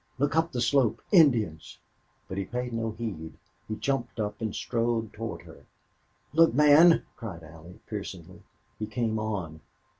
"Look up the slope!... Indians!" But he paid no heed. He jumped up and strode toward her. "Look, man!" cried Allie, piercingly. He came on.